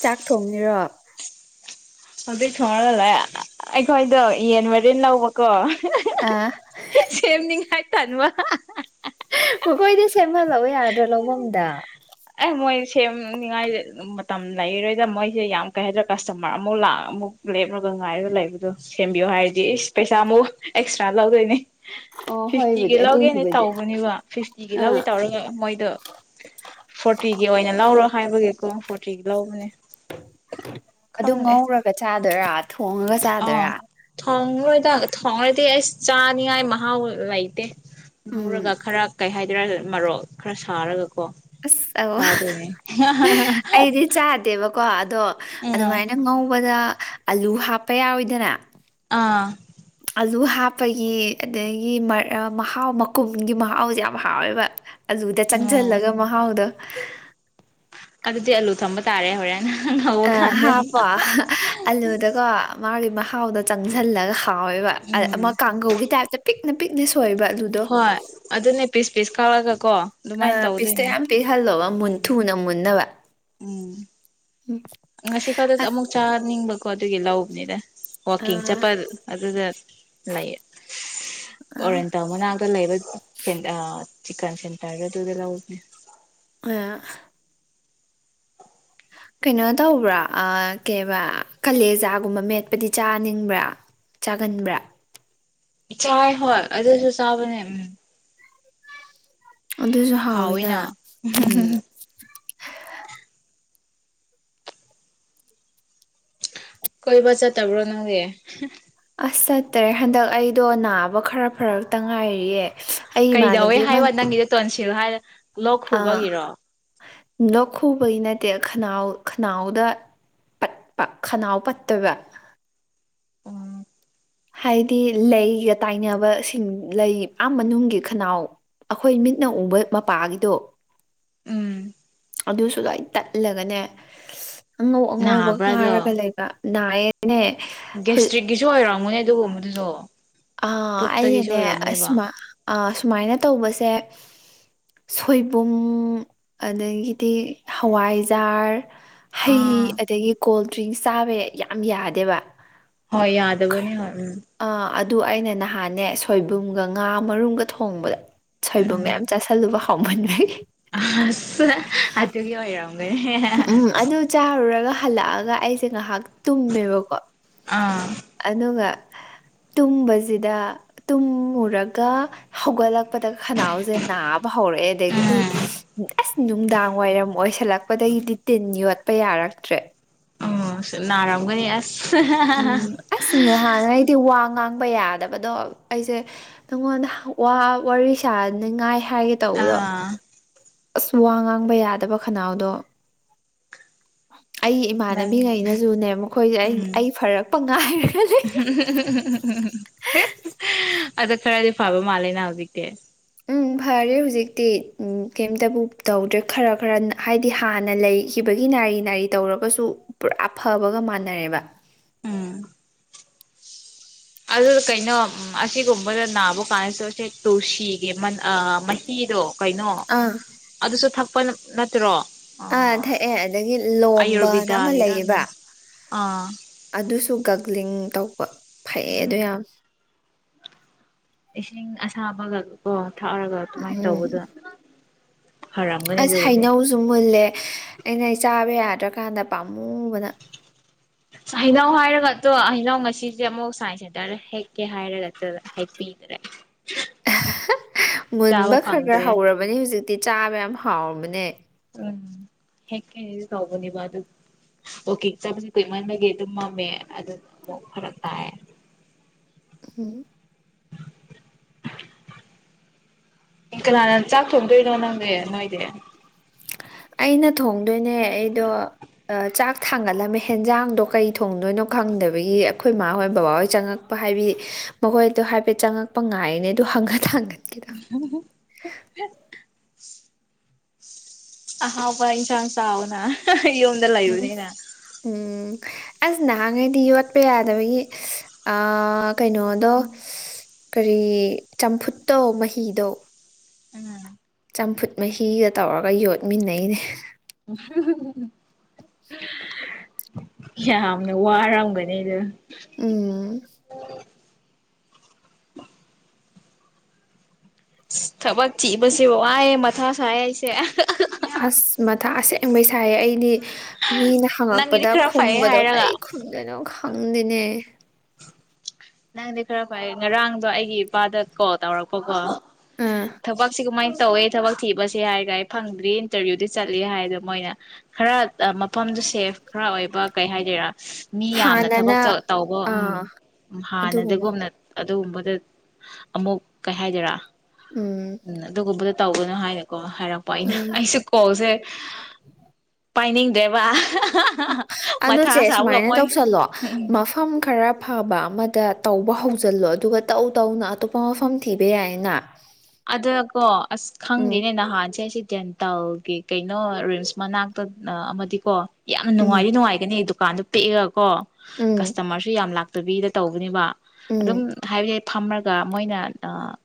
ꯆꯥꯛ ꯊꯣꯡꯅꯤꯔꯣ ꯑꯗꯨꯏ ꯁꯣꯡꯉꯒ ꯂ ꯑꯩꯈꯣꯏꯗꯣ ꯌꯦꯟ ꯃꯔꯤꯦꯟ ꯂꯧꯕꯀꯣ ꯑꯥ ꯁꯦꯝꯅꯤꯡꯉꯥꯏ ꯇꯅꯋꯥ ꯑꯩꯈꯣꯏꯗꯤ ꯁꯦꯝꯍꯜꯂꯎ ꯌꯥꯗ꯭ꯔꯣ ꯂꯧꯐꯝꯗ ꯑꯦ ꯃꯣꯏ ꯁꯦꯝꯅꯤꯉꯥꯏ ꯃꯇꯝ ꯂꯩꯔꯣꯏꯗ ꯃꯣꯏꯁꯦ ꯌꯥꯝ ꯀꯩ ꯍꯥꯏꯗ꯭ꯔꯥ ꯀꯁꯇꯃꯔ ꯑꯃꯨꯛ ꯂꯥꯛ ꯑꯃꯨꯛ ꯂꯦꯞꯂꯒ ꯉꯥꯏꯔꯒ ꯂꯩꯕꯗꯣ ꯁꯦꯝꯕꯤꯌꯣ ꯍꯥꯏꯔꯗꯤ ꯏꯁ ꯄꯩꯁꯥ ꯑꯃꯨꯛ ꯑꯦꯛꯁꯇ꯭ꯔꯥ ꯂꯧꯗꯣꯏꯅꯦ ꯑꯣ ꯍꯣꯏꯕꯨꯗꯤ ꯐꯤꯐꯇꯤꯒꯤ ꯂꯧꯒꯦꯅꯦ ꯑꯗꯨꯒꯤꯕꯨꯗꯤ ꯇꯧꯕꯅꯦꯕ ꯐꯤꯐꯇꯤꯒꯤ ꯂꯧꯒꯦ ꯑꯥ ꯇꯧꯔꯒ ꯃꯣꯏꯗꯣ ꯐꯣꯔꯇꯤꯒꯤ ꯑꯣꯏꯅ ꯂꯧꯔꯣ ꯍꯥꯏꯕꯒꯤꯀꯣ ꯐꯣꯔꯇꯤꯒꯤ ꯂꯧꯕꯅꯦ ꯑꯗꯨ ꯈꯪꯗꯦ ꯉꯧꯔꯒ ꯆꯥ ꯗ ꯊꯣꯡꯉꯒ ꯆꯥꯗꯣꯏꯔꯥ ꯑꯩꯈꯣꯏꯗ ꯊꯣꯡꯉꯗꯤ ꯑꯁ ꯆꯥꯅꯤꯉꯥꯏ ꯃꯍꯥꯎ ꯂꯩꯇꯦ ꯎꯝ ꯉꯧꯔꯒ ꯈꯔ ꯀꯩ ꯍꯥꯏ ꯃꯔꯣꯛ ꯈꯔ ꯁꯥꯔꯒ ꯑꯁ ꯑ ꯑꯩꯗꯤ ꯆꯥꯗꯦꯕꯀꯣ ꯑꯗꯣ ꯎꯝ ꯑꯗꯨꯃꯥꯏꯅ ꯉꯧꯕꯗ ꯑꯂꯨ ꯍꯥꯞꯄ ꯌꯥꯎꯋꯣꯏꯗꯅ ꯑꯥ ꯑꯂꯨ ꯍꯥꯞꯄꯒꯤ ꯑꯗꯒꯤ ꯃꯍꯥꯎ ꯃꯀꯨꯝꯒꯤ ꯃꯍꯥꯎꯁꯦ ꯌꯥꯝ ꯍꯥꯎꯋꯦꯕ ꯑꯗꯨꯂꯗ ꯎꯝ ꯆꯪꯁꯤꯜꯂꯒ ꯃꯍꯥꯎꯗ ꯑꯗꯨꯗꯤ ꯑꯂꯨ ꯊꯝꯕ ꯇꯥꯔꯦ ꯍꯔꯦ ꯑ ꯍꯥꯞꯄꯣ ꯑꯂꯨꯗꯀꯣ ꯃꯥꯒꯤ ꯊꯥꯎꯗ ꯆꯪꯁꯤꯜꯂꯒ ꯍꯥꯎꯋꯦꯕ ꯎꯝ ꯑꯃ ꯀꯥꯡꯒꯧꯒꯤ ꯇꯥꯏꯞꯇ ꯄꯤꯛ ꯅꯨꯄꯤ ꯗꯤ ꯁꯣꯏꯕ ꯑꯂꯨꯗꯣ ꯍꯣꯏ ꯑꯗꯨ ꯅꯅꯦ ꯄꯤꯁ ꯄꯤꯁ ꯀꯥꯎꯒ ꯑ ꯄꯤꯁꯇ ꯌꯥꯝ ꯄꯤꯛꯍꯜꯂꯣꯕꯨꯟ ꯎꯝ ꯊꯨꯅ ꯃꯨꯟꯅꯕ ꯎꯝ ꯉꯁꯤ ꯈꯗ ꯑꯃꯃꯨꯛ ꯆꯥ ꯅꯤꯡꯕ ꯄꯣꯠ ꯑꯗꯨ ꯂ ꯍꯧꯕꯕꯅꯤꯗ ꯑꯣꯀꯤꯟ ꯎꯝ, ꯆꯄ ꯑꯗꯨ ꯑꯗꯨ ꯂꯩꯥꯏꯌꯦ ꯑ, ꯑ, ꯑꯣꯔꯦꯟ ꯇ ꯃꯅꯥꯛꯇ ꯂꯩꯕ ꯆꯤꯟ ꯁꯤꯇꯥꯏꯒ ꯑꯗꯨꯗ ꯂ ꯎꯗꯅꯦ ꯑ ꯀꯩꯅꯣ ꯇꯧꯕ꯭ꯔꯥ ꯀꯦꯕ ꯀꯂꯦꯖꯥꯒꯨꯝꯕ ꯃꯦꯠꯄꯗꯤ ꯆꯥꯅꯤꯡꯕ꯭ꯔꯥ ꯆꯥꯒꯟꯕ꯭ꯔꯥ ꯆꯥꯏ ꯍꯣꯏ ꯑꯗꯨꯁꯨ ꯆꯥꯕꯅꯦ ꯎꯝ ꯑꯗꯨꯁꯨ ꯍꯥꯎꯋꯤꯅ ꯎꯝ ꯀꯣꯏꯕ ꯆ ꯇꯕ꯭ꯔꯣ ꯅꯒꯦ ꯑꯁ ꯆꯠꯇ꯭ꯔꯦ ꯍꯟꯗꯛ ꯑꯩꯗꯣ ꯅꯥꯕ ꯈꯔ ꯐꯔꯛꯇ ꯉꯥꯏꯔꯤꯌꯦ ꯑꯩ ꯀꯩꯗꯑꯦ ꯏꯃꯥꯟꯅꯕꯤ ꯑꯃ ꯍꯥꯏꯋꯥ ꯋꯥꯗ ꯅꯪꯒꯗ ꯇꯣꯟꯁ ꯁꯤꯚꯔ ꯑꯥ ꯂꯣꯛ ꯈꯨ ꯕꯩ ꯅꯠꯇꯦ ꯈꯅꯥꯎ ꯈꯅꯥꯎꯗ ꯄꯠꯄ ꯈꯅꯥꯎ ꯄꯠꯇꯕ ꯎꯝ ꯍꯥꯏꯗꯤ ꯂꯩꯒ ꯇꯥꯏꯅꯕꯁꯤꯡ ꯂꯩ ꯃꯅꯨꯡꯒꯤ ꯈꯅꯥꯎ ꯑꯩꯈꯣꯏ ꯃꯤꯠꯅ ꯎꯕ ꯃꯄꯥꯒꯤꯗꯣ ꯑꯗꯨꯁꯨ ꯂꯥꯏ ꯇꯠꯂꯒꯅꯦ ꯑꯉꯧ ꯑꯉꯧꯕ ꯈꯥꯔꯒ ꯂꯩꯕ ꯑ ꯒꯁꯇ꯭ꯔꯤꯛꯀꯤꯁꯨ ꯑꯣꯏꯔ ꯃꯣꯏꯅꯦ ꯑꯗꯨ ꯍꯣꯗꯨꯁꯨꯣ ꯑ ꯑꯗꯅꯦ ꯑꯁꯃ ꯑ ꯁꯨꯃꯥꯏꯅ ꯇꯧꯕꯁꯦ ꯁꯣꯏꯕꯨꯝ ꯑꯗꯒꯤꯗꯤ ꯍꯋꯥꯏꯖꯥꯔ ꯍꯩ ꯑꯥ ꯑꯗꯒꯤ ꯀꯣꯜ ꯗ꯭ꯔꯤꯡꯁ ꯆꯥꯕ ꯌꯥꯝ ꯌꯥꯗꯦꯕ ꯍꯣꯏ ꯌꯥꯗꯕꯅꯦ ꯍꯣꯏ ꯎꯝ ꯑꯥ ꯑꯗꯨ ꯑꯩꯅ ꯅꯍꯥꯟꯅꯦ ꯁꯣꯏꯕꯨꯝꯒ ꯉꯥ ꯃꯔꯨꯝꯒ ꯊꯣꯡꯕꯗ ꯁꯣꯏꯕꯨꯝ ꯃꯌꯥꯝ ꯆꯥꯥꯁꯜꯂꯨꯕ ꯀꯃꯟ [unintelligible] ꯑꯇꯩ ꯍꯥꯏꯌꯥꯎ ꯎ ꯎꯝ ꯑꯗꯨ ꯆꯥꯔꯨꯔꯒ ꯍꯜꯂꯛꯑꯒ ꯑꯩꯁꯦ ꯉꯥꯏꯍꯥꯛ ꯇꯨꯝꯃꯦꯕꯀꯣ ꯑꯥ ꯑꯗꯨꯒ ꯇꯨꯝꯕꯁꯤꯗ ꯇꯨꯝꯃꯨꯔꯒ ꯍꯧꯒꯠꯂꯛꯄꯗ ꯈꯅꯥꯎꯁꯦ ꯅꯥꯕ ꯍꯧꯔꯛꯑꯦ ꯑꯗꯒꯤꯗꯤ ꯎꯝ ꯑꯁ ꯅꯨꯡꯗꯥꯡ ꯋꯥꯏꯔꯝ ꯑꯣꯏꯁꯜꯂꯛ ꯑꯩꯘꯤ ꯇꯤꯟ ꯌꯣꯠ ꯂꯦ ꯆꯄ ꯌꯥꯔꯛꯇ꯭ꯔꯦ ꯑꯣ ꯅꯔꯝꯒꯅꯤ ꯎꯝ ꯑꯁ ꯉꯥꯍꯥꯟ ꯑꯩꯗꯤ ꯋꯥ ꯉꯥꯡ ꯈꯪꯕ ꯌꯥꯗꯕꯗꯣ ꯑꯩꯁꯦ ꯅꯪꯉꯣꯟꯗ ꯋꯥꯔꯤ ꯁꯥꯅꯤꯡꯉꯥꯏ ꯍꯥꯏꯒꯦ ꯇꯧꯕꯗꯣ ꯑꯥ ꯑꯁ ꯋꯥ ꯉꯥꯡꯕ ꯌꯥꯗꯕ ꯈꯅꯥꯎꯗꯣ ꯑꯩ ꯏꯃꯥꯟꯅꯕꯤꯉꯩꯅꯁꯨꯅꯦ ꯃꯈꯣꯏꯁꯦ ꯑꯩ ꯐꯔꯛꯄ ꯉꯥꯏꯔꯒ ꯑꯗ ꯈꯔꯗꯤ ꯐꯥꯕ ꯃꯥꯜꯂꯦꯅ ꯍꯧꯖꯤꯛꯇꯤ ꯎꯝ ꯐꯔꯦ ꯍꯧꯖꯤꯛꯇꯤ ꯀꯦꯝꯇꯕꯨ ꯇꯧꯗ꯭ꯔꯦ ꯈꯔ ꯈꯔ ꯍꯥꯏꯗꯤ ꯍꯥꯟꯅ ꯂꯩꯈꯤꯕꯒꯤ ꯅꯥꯔꯤ ꯅꯥꯔꯤ ꯇꯧꯔꯒꯁꯨ ꯄꯨꯔꯥ ꯐꯕꯒ ꯃꯥꯟꯅꯔꯦꯕ ꯎꯝ ꯑꯗꯨ ꯀꯩꯅꯣ ꯑꯁꯤꯒꯨꯝꯕꯗ ꯅꯥꯕ ꯀꯥꯟꯁꯤꯗ ꯇꯨꯜꯁꯤꯒꯤ ꯑꯃꯥ ꯑꯥ ꯃꯍꯤꯗꯣ ꯀꯩꯅꯣ ꯑꯥ ꯑꯗꯨꯁꯨ ꯊꯛꯄ ꯅꯠꯇ꯭ꯔꯣ ꯑꯥ ꯊꯛꯑꯦ ꯑꯗꯒꯤ ꯂꯣꯝꯕꯅ ꯑꯃ ꯑꯌꯨꯔꯕꯦꯗꯥꯒꯤꯔ ꯂꯩꯌꯦꯕ ꯑꯥ ꯑꯗꯨꯁꯨ ꯒꯒ꯭ꯂꯤꯡ ꯇꯧꯕ ꯐꯩꯌꯦ ꯑꯗꯨ ꯎꯝ ꯌꯥꯝ ꯏꯁꯤꯡ ꯑꯁꯥꯕꯒ ꯀꯣ ꯊꯛꯑꯔꯒ ꯑꯗꯨꯃꯥꯏ ꯎꯝ ꯇꯧꯕꯗꯣ ꯐꯔꯝꯒꯅꯤ ꯑꯁ ꯑꯗꯨꯕꯨꯗꯤ ꯍꯩꯅꯧꯁꯨ ꯃꯨꯜꯂꯦ ꯑꯩꯅ ꯑꯩ ꯆꯥꯕ ꯌꯥꯗ꯭ꯔꯀꯥꯟꯗ ꯄꯥꯝꯃꯨꯕꯅ ꯍꯩꯅꯧ ꯍꯥꯏꯔꯒ ꯇꯣ ꯍꯩꯅꯧ ꯉꯁꯤꯁꯦ ꯑꯃꯨꯛ ꯁꯥꯏꯟꯁ ꯁꯦꯟꯇꯔꯗ ꯍꯦꯛꯀꯦ ꯍꯥꯏꯔꯒ ꯆꯥꯠꯂ ꯍꯦꯛꯄꯤꯗꯔꯦ ꯃꯨꯟꯕ ꯈꯔ ꯈꯔ ꯍꯧꯔꯕꯅꯤ ꯍꯧꯖꯤꯛ ꯇꯦ ꯆꯥꯕ ꯌꯥꯝ ꯍꯥꯎꯕꯅꯦ ꯎꯝ ꯍꯦꯛ [unintelligible] ꯇꯧꯕꯅꯦꯕ ꯑꯗꯨ ꯑꯣ ꯀꯦ ꯆꯥꯕꯁꯦ ꯀꯨꯏꯃꯟꯕꯒꯤ ꯑꯗꯨꯝ ꯃꯝꯃꯦ ꯑꯗꯨ ꯑꯃꯨꯛ ꯐꯔꯛ ꯇꯥꯏ ꯎꯝ ꯀꯅꯥꯅ ꯆꯥꯛ ꯊꯣꯡꯗꯣꯏꯅꯣ ꯅꯪꯗꯤ ꯅꯣꯏꯗꯤ ꯑꯩꯅ ꯊꯣꯡ [unintelligible] ꯅꯦ ꯑꯩꯗꯣ ꯆꯥꯛ ꯊꯥꯡꯒꯠꯂꯝꯃꯦ ꯍꯦꯟꯖꯥꯡꯗꯣ ꯀꯩ ꯊꯣꯡꯗꯣꯏꯅꯣ ꯈꯪꯗꯕꯒꯤ ꯑꯩꯈꯣꯏ ꯃꯥꯍꯣꯏ ꯕꯕꯥꯍꯣꯏ ꯆꯪꯉꯛꯄ ꯍꯥꯏꯕꯗꯤ ꯃꯈꯣꯏꯗꯣ ꯍꯥꯏꯐꯦꯠ ꯆꯪꯉꯛꯄ ꯉꯥꯏꯔꯤꯅꯦ ꯑꯗꯨ ꯍꯪꯉꯥ ꯊꯥꯒꯠ [unintelligible] ꯑꯍꯥꯎꯕ ꯏꯟꯁꯥꯡ ꯆꯥꯎꯅ ꯌꯨꯝꯗ ꯎꯝ ꯂꯩꯕꯅꯤꯅ ꯎꯝ ꯑꯁ ꯅꯍꯥꯟꯉꯩꯗꯤ ꯌꯣꯠꯄ ꯌꯥꯗꯕꯒꯤ ꯑꯥ ꯀꯩꯅꯣꯗꯣ ꯀꯔꯤ ꯆꯝꯐꯨꯠꯇꯣ ꯃꯍꯤꯗꯣ ꯎꯝ ꯆꯝꯐꯨꯠ ꯃꯍꯤꯒ ꯇꯧꯔꯒ ꯌꯣꯠꯃꯤꯟꯅꯩꯅꯦ [unintelligible] ꯌꯥꯝꯅ ꯋꯥꯔꯝꯒꯅꯤ [unintelligible] ꯎꯝ ꯊꯕꯛ ꯊꯤꯕꯁꯦ ꯋꯥꯏꯌꯦ ꯃꯊꯥ ꯁꯥꯏ ꯑꯩꯁꯦ ꯑꯁ ꯃꯊ ꯑꯁꯦꯡꯕꯩ ꯁꯥꯏꯌꯦ ꯑꯩꯗꯤ ꯃꯤꯅ ꯅꯪꯒꯤꯗꯤ ꯍꯪꯉꯛꯄꯗ ꯈꯔ ꯐꯩꯌꯦ ꯈꯨꯝꯕꯗꯣ ꯍꯥꯏꯔꯒ ꯀꯩ ꯈꯨꯝꯗꯣꯏꯅꯣ ꯈ ꯐꯪꯗꯦꯅꯦ ꯅꯪꯗꯤ ꯈꯔ ꯐꯩ ꯉꯔꯥꯡꯗꯣ ꯑꯩꯒꯤ ꯏꯄꯥꯗ ꯀꯣꯜ ꯇꯧꯔꯛꯄꯀꯣ ꯎꯝ ꯊꯕꯛꯁꯤ ꯀꯃꯥꯏ ꯇꯧꯋꯦ ꯊꯕꯛ ꯊꯤꯕꯁꯦ ꯍꯥꯏꯔꯒ ꯑꯩ ꯐꯪꯗ꯭ꯔꯤ ꯏꯟꯇꯔꯚ꯭ꯌꯨꯗꯤ ꯆꯠꯂꯤ ꯍꯥꯏꯗꯣ ꯃꯣꯏꯅ ꯈꯔ ꯃꯐꯝꯗꯨ ꯁꯦꯐ ꯈꯔ ꯑꯣꯏꯕ ꯀꯩ ꯍꯥꯏꯗꯣꯏꯔꯥ ꯃꯤ ꯌꯥꯝꯅ ꯊꯕꯛ ꯍꯥꯟꯅꯅ ꯇꯧꯕ ꯎꯝ ꯑꯥ ꯍꯥꯟ ꯑꯗꯨꯒꯨꯝꯕ ꯅꯗꯒꯣꯅ ꯑꯗꯨꯒꯨꯝꯕꯗ ꯑꯃꯨꯛ ꯀꯩ ꯍꯥꯏꯗꯔꯥ ꯎꯝ ꯑꯗꯨꯒꯣꯕꯗ ꯇꯧꯒꯅ ꯍꯥꯏꯅꯣ ꯀꯣ ꯍꯥꯏꯔꯛꯄ ꯑꯩꯅ ꯎꯝ ꯑꯩꯁꯨꯦ ꯀꯣꯜꯁꯦ ꯄꯥꯏꯅꯤꯡꯗ꯭ꯔꯦꯕ ꯃꯊꯥ ꯑꯗꯨꯅꯨꯁꯦ ꯁꯥꯕꯒ ꯁꯨꯃꯥꯏꯅ ꯃꯣꯏ ꯇꯧꯁꯜꯂꯣ ꯃꯐꯝ ꯈꯔ ꯐꯕ ꯑꯃꯗ ꯇꯧꯕ ꯍꯧꯖꯤꯜꯂꯣ ꯑꯗꯨꯒ ꯇꯧ ꯇꯧꯅ ꯑꯇꯣꯞꯄ ꯃꯐꯝ ꯊꯤꯕ ꯌꯥꯏꯅ ꯑꯗꯨꯀꯣ ꯑꯁ ꯎꯝ ꯈꯪꯗꯦꯅꯦ ꯅꯍꯥꯟꯁꯦ ꯁꯤ ꯇꯦꯟꯇꯥꯜꯒꯤ ꯀꯩꯅꯣ ꯔꯤꯝꯁ ꯃꯅꯥꯛꯇ ꯑꯃꯗꯤꯀꯣ ꯌꯥꯝꯅ ꯎꯝ ꯅꯨꯡꯉꯥꯏꯔꯤ ꯅꯨꯡꯉꯥꯏꯒꯅꯤ ꯑꯗꯨꯗ ꯀꯥꯟꯗ ꯄꯦꯛꯑꯒ ꯀꯣ ꯎꯝ ꯀꯁꯇꯃꯔꯁꯨ ꯌꯥꯝ ꯂꯥꯛ ꯕꯤꯗ ꯇꯧꯕꯅꯦꯕ ꯑꯗꯨꯝ ꯎꯝ ꯍꯥꯏ ꯐꯝꯃꯒ ꯃꯣꯏꯅ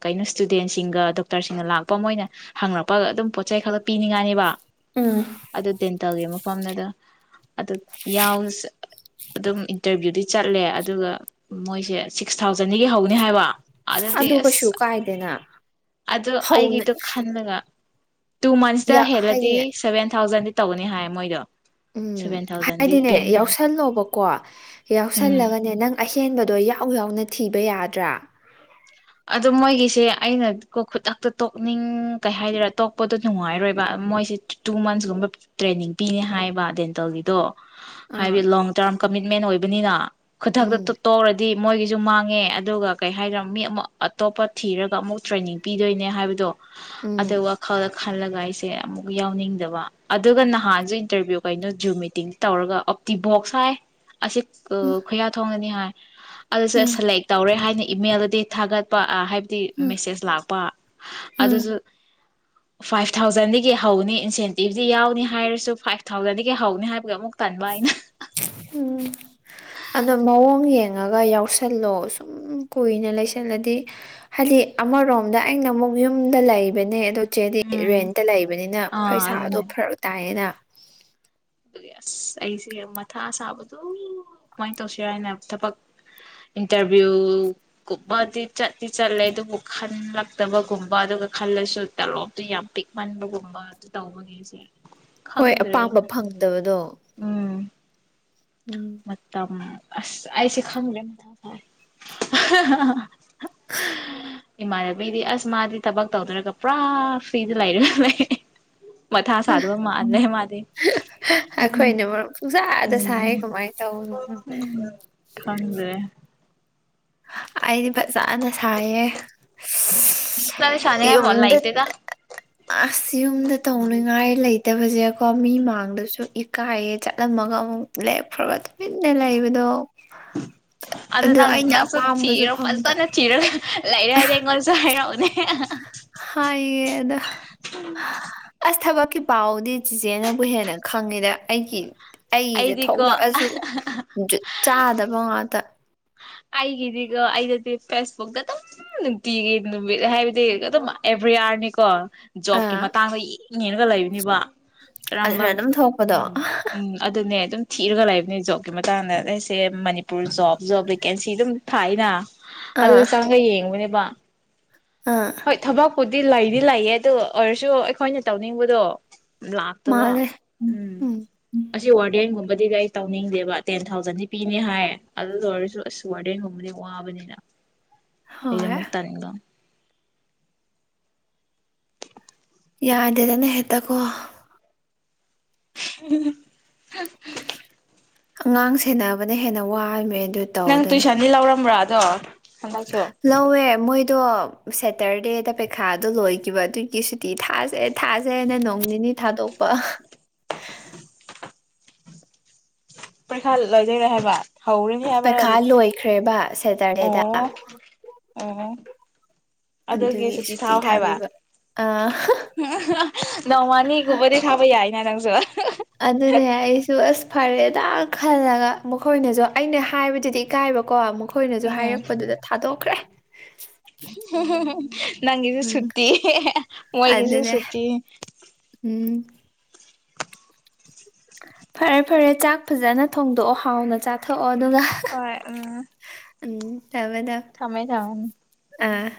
ꯀꯩꯅꯣ ꯁꯇꯨ ꯏꯁꯨꯗꯦꯟꯁꯤꯡꯒ ꯗꯣꯛꯇꯔꯁꯤꯡꯒ ꯂꯥꯛꯄ ꯃꯣꯏꯅ ꯍꯪꯂꯉꯛꯄꯒ ꯑꯗꯨꯝ ꯄꯣꯠ ꯆꯩ ꯈꯛꯇ ꯄꯤꯅꯤꯡꯉꯥꯏꯅꯤꯕ ꯎꯝ ꯑꯗꯗꯦꯟꯑꯦ ꯃ ꯃꯐꯝꯅꯗ ꯑꯗꯨ ꯌꯥꯎꯁ ꯑꯗꯨꯝ ꯏꯟꯇꯔꯚ꯭ꯌꯨꯗꯤ ꯆꯠꯂꯦ ꯑꯗꯨꯒ ꯃꯣꯏꯁꯦ ꯁꯤꯛꯁ ꯊꯥꯎꯖꯟꯗꯒꯤ ꯍꯧꯅꯤ ꯍꯥꯏꯕ ꯑꯗꯨꯗꯤ ꯑꯗꯨꯗ ꯀꯁꯨ ꯑꯁ ꯀꯥꯏꯗꯦꯅ ꯑꯗꯨ ꯍꯧꯅ ꯑꯩꯒꯤꯗꯣ ꯈꯟꯂꯒ ꯇꯨ ꯃꯟꯁ ꯗ ꯌꯥ ꯍꯂꯗꯤ ꯍꯥꯏꯗꯤꯅꯦ ꯁꯦꯕꯦꯟ ꯊꯥꯎꯖꯟ ꯇꯧꯅꯤ ꯍꯥꯏ ꯃꯣꯏꯗꯣ ꯎꯝ ꯁꯚꯦꯟ ꯊꯥꯎꯖꯟꯗꯤ ꯍꯥꯏꯗꯤꯅꯦ ꯄꯤꯅꯤ ꯍꯥꯏ ꯌꯥꯎꯁꯜꯂꯣꯕꯀꯣ ꯎꯝ ꯌꯥꯎꯁꯜꯂꯒꯅꯦ ꯅꯪ ꯆꯦꯟꯕꯗꯣ ꯌꯥꯎ ꯌꯥꯎꯅ ꯊꯤꯕ ꯌꯥꯗ꯭ꯔꯥ ꯑꯣ ꯃꯣꯏꯒꯤꯁꯦ ꯑꯩꯅ ꯀꯣ ꯈꯨꯗꯛꯇ ꯇꯣꯛꯅꯤꯡ ꯀꯩ ꯍꯥꯏꯗꯔꯥ ꯇꯣꯛꯄꯗꯣ ꯅꯨꯡꯉꯥꯏꯔꯣꯏꯕ ꯃꯣꯏꯁꯦ ꯇꯨ ꯃꯟꯁꯀꯨꯝꯕ ꯇ꯭ꯔꯦꯅꯤꯡ ꯄꯤꯅꯤ ꯍꯥꯏꯕ ꯗꯦꯟꯇꯜꯒꯤꯗꯣ ꯍꯥꯏꯋꯦ ꯑꯥ ꯂꯣꯡ ꯇꯔꯝ ꯀꯃꯤꯠꯃꯦꯟ ꯑꯣꯏꯕꯅꯤꯅ ꯈꯨꯊꯛꯇ ꯎꯝ ꯇꯣꯛꯔꯗꯤ ꯃꯣꯏꯒꯤꯁꯨ ꯃꯥꯡꯉꯦ ꯑꯗꯨꯒ ꯀꯩ ꯍꯥꯏꯗꯔ ꯃꯤ ꯑꯃ ꯑꯇꯣꯞꯄ ꯊꯤꯔꯒ ꯑꯃꯨꯛ ꯇ꯭ꯔꯦꯅꯤꯡ ꯄꯤꯗꯣꯏꯅꯦ ꯍꯥꯏꯕꯗꯣ ꯎꯝ ꯑꯗ ꯋꯥ ꯋꯥ ꯈꯥꯎꯗ ꯈꯅ ꯂꯒꯥꯏ ꯁꯦ ꯑꯃꯨꯛ ꯌꯥꯎꯅꯤꯡꯗꯕ ꯑꯗꯨꯒ ꯅꯍꯥꯟꯁꯨ ꯏꯟꯇꯔꯚꯤꯌꯨ ꯀꯩꯅꯣ ꯖꯨꯨꯝ ꯃꯤꯇꯤꯡ ꯇꯧꯔꯒ ꯑꯣꯞꯇꯤꯕꯣꯛꯁ ꯍꯥꯏ ꯑꯁꯤ ꯎꯝ ꯈꯨꯌꯥ ꯊꯣꯡꯒꯅꯤ ꯍꯥꯏ [unintelligible] ꯑꯗꯨꯁꯨꯦ ꯎꯝ ꯁꯦꯂꯦꯛ ꯇꯧꯔꯦ ꯍꯥꯏꯅꯤ ꯃꯦꯜꯂꯗꯦ ꯊꯒꯠ ꯍꯥꯏ ꯇꯤ ꯎꯝ ꯃꯦꯁꯦꯖ ꯂꯥꯛꯄ ꯎꯝ ꯑꯗꯨꯁꯨ ꯐꯥꯏꯚ ꯊꯥꯎꯖꯟꯗꯒꯤ ꯍꯧꯅꯤ ꯏꯟꯁꯦꯟꯇꯤꯞꯇ ꯌꯥꯎꯅꯤ ꯍꯥꯏꯔꯁꯨ ꯐꯥꯏꯚ ꯊꯥꯎꯖꯟꯗꯒꯤ ꯍꯧꯅꯤ ꯍꯥꯏꯕꯒꯤ ꯑꯃꯨꯛ ꯇꯟꯕ ꯑꯩꯅ ꯎꯝ ꯑꯗꯣ ꯃꯑꯣꯡ ꯌꯦꯡꯉꯒ ꯌꯥꯎꯁꯜꯂꯣ ꯁꯨꯝ ꯀꯨꯏꯅ ꯂꯩꯁꯜꯂꯗꯤ ꯍꯥꯏꯗꯤ ꯑꯃꯔꯣꯝꯗ ꯑꯩꯅ ꯑꯃꯨꯛ ꯌꯨꯝꯗ ꯂꯩꯕꯅꯦ ꯑꯗꯨ ꯃꯆꯦꯗꯤ ꯎꯝ ꯔꯦꯟꯇ ꯂꯩꯕꯅꯤꯅ ꯑꯥ ꯄꯩꯁꯥꯗꯣ ꯑꯗꯨꯅꯦ ꯐꯔꯛ ꯇꯥꯏꯌꯦꯅ ꯑꯗꯨꯒꯤ ꯑꯁ ꯑꯩꯁꯦ ꯃꯊꯥ ꯁꯥꯕꯗꯣ ꯀꯃꯥꯏꯅ ꯇꯧꯁꯤꯔ ꯍꯥꯏꯅ ꯊꯕꯛ ꯏꯟꯇꯔꯚ꯭ꯌꯨꯒꯨꯝꯕꯗꯤ ꯆꯤ ꯆꯠꯂꯦ ꯑꯗꯨꯕꯨ ꯈꯜꯂꯛꯇꯕꯒꯨꯝꯕ ꯑꯗꯨꯒ ꯈꯜꯂꯁꯨ ꯇꯂꯣꯞꯇꯨ ꯌꯥꯝ ꯄꯤꯛꯃꯟꯕꯒꯨꯝꯕ ꯑꯗꯨ ꯇꯧꯕꯒꯤꯁꯦ ꯍꯣꯏ ꯑꯄꯥꯝꯕ ꯐꯪꯉꯦ ꯎꯠꯇꯕꯗꯣ ꯇꯝ ꯃ ꯑꯃ ꯑꯁ ꯑꯁꯦ ꯈꯪ ꯃ ꯊ ꯐ [unintelligible] ꯏꯃꯥꯟꯅꯕꯤꯗꯤ ꯑꯁ ꯃꯥꯗꯤ ꯊꯕꯛ ꯇꯧꯗꯔꯒ ꯄꯨꯔꯥ ꯐ꯭ꯔꯤꯗ ꯂꯩꯔ ꯈ ꯂꯩ ꯃꯊꯥ ꯁꯥꯗꯕ ꯃꯥ ꯂꯩꯦ ꯃꯥꯗꯤ ꯑꯩꯈꯣꯏꯅ ꯃꯔꯨꯞ ꯄꯨꯡꯁꯥꯗ ꯁꯥꯏ ꯎꯝ ꯀꯃꯥꯏꯅ ꯇꯧꯅꯣ ꯈꯪꯗ꯭ꯔꯦ ꯑꯩꯗꯤ ꯐꯖꯅ ꯁꯥꯏꯌꯦ ꯑꯁ ꯅꯪꯗꯤ ꯑ ꯁꯥꯅꯤꯡꯉꯥꯏ ꯌꯨꯝꯗ ꯂꯩꯇꯦꯗ ꯑꯁ ꯌꯨꯝꯗ ꯇꯧꯅꯤꯡꯉꯥꯏ ꯂꯩꯇꯕꯁꯦ ꯀꯣ ꯃꯤ ꯃꯥꯡꯗꯁꯨ ꯏꯀꯥꯏꯌꯦ ꯆꯠꯂꯝꯃꯒ ꯑꯃꯨꯛ ꯂꯦꯛꯈ꯭ꯔꯕ ꯇꯨꯃꯤꯟꯅ ꯂꯩꯕꯗꯣ ꯑꯗꯨ ꯑꯗꯣ ꯅꯪ ꯑꯩꯅ ꯅꯪꯁꯨ ꯑꯄꯥꯝꯕꯁꯨ ꯊꯤꯔꯣ ꯐꯪꯗ ꯐꯖꯅ ꯊꯤꯔꯣ ꯂꯥꯏ ꯔꯥꯏꯗ ꯑꯦꯦꯡꯒꯜ ꯆ ꯍꯥꯏꯔ ꯍꯧꯅꯦ ꯍꯦꯗ ꯑꯁ ꯊꯕꯀꯤ ꯄꯥꯎꯗꯤ ꯆꯤꯆꯦꯅꯕꯨ ꯍꯦꯟꯅ ꯈꯪꯉꯤꯗ ꯑꯩꯒꯤ ꯑꯩꯁꯦ ꯑꯩꯗꯤꯀꯣ ꯊꯣꯛꯂꯛꯑꯁꯨ ꯆꯥꯗꯕ ꯉꯥꯛꯇ ꯑꯩꯒꯤꯗꯤꯒ ꯑꯩꯗꯗꯤ ꯐꯦꯁꯕꯨꯛꯛꯇ ꯑꯗꯨꯝ ꯅꯨꯡꯇꯤꯒꯤ ꯅꯨꯃꯤꯠ ꯍꯥꯏꯕꯗꯤ ꯑꯗꯨꯝ ꯑꯦꯕ꯭ꯔꯤꯌꯥꯔꯅꯤꯀꯣ ꯖꯣꯕꯀꯤ ꯑꯥ ꯃꯇꯥꯡꯗ ꯌꯦꯡꯅꯦꯦꯅꯒ ꯂꯩꯕꯅꯦꯕ ꯀꯔꯝꯕ ꯑꯗꯨꯅ ꯑꯗꯨꯝ ꯊꯣꯛꯄꯗꯣ ꯎꯝ ꯎꯝ ꯑꯗꯨꯅꯦ ꯑꯗꯨꯝ ꯊꯤꯔꯒ ꯂꯩꯕꯅꯤ ꯖꯣꯕꯀꯤ ꯃꯇꯥꯡꯗ ꯑꯩꯗ ꯑꯩꯁꯦ ꯃꯅꯤꯄꯨꯔ ꯖꯣꯕ ꯖꯣꯕ ꯂꯩ ꯀꯦꯟꯁꯤ ꯑꯗꯨꯝ ꯊꯥꯏꯅ ꯑꯗꯨ ꯑꯥ ꯆꯪꯒ ꯌꯦꯡꯕꯅꯦꯕ ꯑꯥ ꯍꯣꯏ ꯊꯕꯛ ꯍꯗꯤ ꯂꯩꯗꯤ ꯂꯩꯌꯦ ꯑꯗꯨ ꯑꯣꯏꯔꯁꯨ ꯑꯩꯈꯣꯏꯅ ꯇꯧꯅꯤꯡꯕꯗꯣ ꯂꯥꯛꯇꯕ ꯃꯥꯅꯦ ꯎꯝ ꯑꯁꯤ ꯋꯥꯔꯗꯤꯌꯟꯒꯨꯝꯕ ꯗꯤ ꯑꯩ ꯇꯧꯅꯤꯡꯗꯦꯕ ꯇꯦꯟ ꯊꯥꯎꯖꯟꯗꯤ ꯄꯤꯅꯤ ꯍꯥꯏ ꯑꯗꯨ ꯂ ꯑꯣꯏꯔꯁꯨ ꯑꯁ ꯋꯥꯔꯗꯦꯟꯒꯣꯡꯕꯗꯤ ꯋꯥꯕꯅꯤꯅ ꯑꯩꯅ ꯍꯣꯏ ꯃꯨꯛꯇ ꯇꯥꯅꯤꯒ ꯌꯥꯗꯦꯗꯅ ꯍꯦꯛꯇ ꯀꯣ ꯎ [unintelligible] ꯑꯉꯥꯡ ꯁꯦꯟꯅꯅꯕꯅ ꯍꯦꯟꯅ ꯋꯥꯕ ꯅꯪ ꯇꯨꯁꯅꯤ ꯂꯥꯎꯔꯝ꯭ꯔꯥ ꯗ ꯂꯧꯋꯦ ꯃꯣꯏ ꯑꯗꯣ ꯁꯦꯇꯔꯗꯦꯗ ꯄꯩꯈꯥꯗꯣ ꯂꯣꯏꯈꯤꯕ ꯑꯗꯨꯒꯤ ꯁꯨꯇꯤ ꯊꯥꯖꯦ ꯊꯥꯥꯁꯦꯅ ꯅꯣꯡ ꯅꯤꯅꯤ ꯊꯥꯗꯣꯛꯄ [unintelligible] ꯄꯔꯤꯈꯥ ꯂꯣꯏꯖꯔꯦ ꯍꯥꯏꯕ ꯍꯧꯔꯅꯤ ꯍꯥꯏꯕ꯭ꯔꯥ ꯄꯩꯈꯥ ꯂꯣꯏꯈ꯭ꯔꯦꯕ ꯁꯦꯇꯔꯗꯦꯗ ꯑꯣ ꯑꯣ ꯑꯗꯨꯒꯤ ꯁꯨꯇꯤ ꯊꯥꯎ ꯍꯥꯏꯕ ꯑꯥ ꯅꯣꯡꯃꯅꯤꯒꯨꯝꯕꯗꯤ ꯊꯥꯕ ꯌꯥꯏ ꯪ [unintelligible] ꯖꯣ ꯑꯗꯨꯅꯦ ꯑꯩꯁꯨ ꯑꯁ ꯐꯔꯦ ꯈꯤꯇꯥꯛ ꯈꯜꯂꯒ ꯃꯈꯣꯏꯅꯁꯨ ꯑꯩꯅ ꯍꯥꯏꯕꯗꯨꯗꯤ ꯏꯀꯥꯏꯕꯀꯣ ꯑꯩꯈꯣꯏꯅꯁꯨ ꯍꯥꯏꯔꯛꯄꯗꯨꯗ ꯊꯥꯗꯣꯛ [unintelligible] ꯍ ꯅꯪꯁꯨ ꯎꯝ ꯁꯇꯤ ꯃꯣꯏꯒꯤꯁꯨ ꯑꯗꯨꯅꯦ ꯁꯇꯤ ꯎꯝ ꯐꯔꯦ ꯐꯔꯦ ꯆꯥꯛ ꯐꯖꯅ ꯊꯣꯡꯗꯣꯛꯑꯣ ꯍꯥꯎꯅ ꯆꯥꯊꯣꯛꯑꯣ ꯑꯗꯨꯒ ꯍꯣꯏ ꯎꯝ ꯎꯝ ꯇꯕꯗ ꯊꯃꯦ ꯊꯃ ꯑꯥ